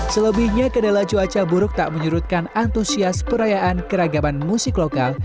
selebihnya kedela cuaca buruk tak menyurutkan antusias perayaan keragaman musik lokal